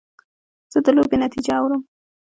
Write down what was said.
زه د لوبې نتیجه اورم.